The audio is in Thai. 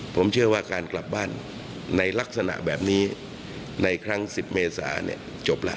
ผมเชื่อว่าการกลับบ้านในลักษณะแบบนี้ในครั้ง๑๐เมษาเนี่ยจบแล้ว